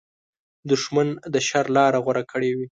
دښمن د شر لاره غوره کړې وي